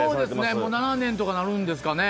もう７年とかになるんですかね。